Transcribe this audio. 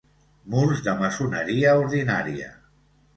Murs de maçoneria ordinària.